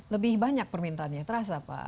lebih banyak permintaannya terasa pak